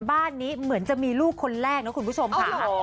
บ้านนี้เหมือนจะมีลูกคนแรกนะคุณผู้ชมค่ะ